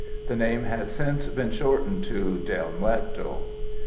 The name has since been shortened to del Muerto.